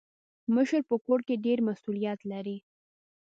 مشر په کور کي ډير مسولیت لري.